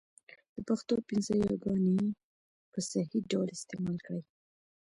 د پښتو پنځه یاګاني ی، ي، ې، ۍ، ئ په صحيح ډول استعمال کړئ!